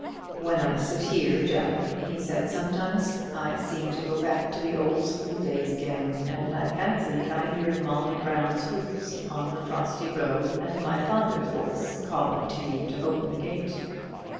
"When I sit here, Jeff," he said sometimes, "I seem to go back to the old school days again, and I fancy I hear Brown Molly's hoofs upon the frosty road, and my father's voice calling to you to open the gate."